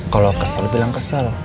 kalau kesel bilang kesel